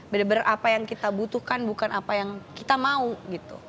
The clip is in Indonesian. benar benar apa yang kita butuhkan bukan apa yang kita mau gitu